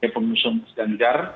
pemusuh mas ganjar